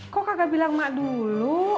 kok kakak bilang mak dulu